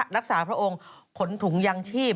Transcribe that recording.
รักษาพระองค์ขนถุงยังชีพ